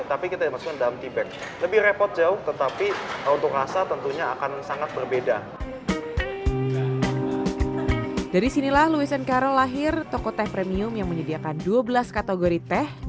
terima kasih terima kasih